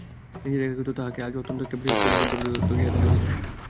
নিজের একাকিত্ব তাহাকে আজ অত্যন্ত একটা বৃহৎ কলেবর ধরিয়া দেখা দিল।